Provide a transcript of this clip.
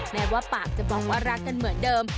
แม้ว่าปากจะมองว่ารักกันเหมือนเดิม